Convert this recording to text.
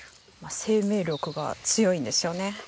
生命力が強いんですよね。